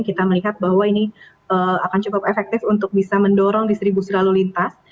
kita melihat bahwa ini akan cukup efektif untuk bisa mendorong distribusi lalu lintas